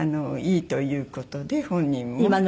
いいという事で本人も。